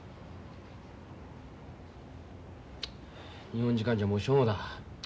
日本時間じゃもう正午だ。